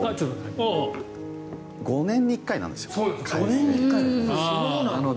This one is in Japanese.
５年に一回なんですよ開催。